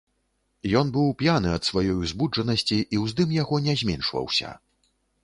Ён быў п'яны ад сваёй узбуджанасці, і ўздым яго не зменшваўся.